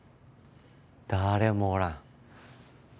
誰もおらん。